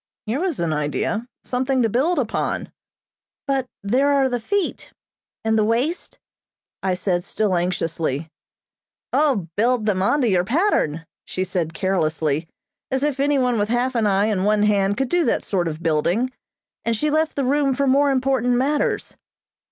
Here was an idea. Something to build upon. "But there are the feet, and the waist?" I said still anxiously. "O, build them on to your pattern," she said carelessly; as if anyone with half an eye and one hand could do that sort of building, and she left the room for more important matters.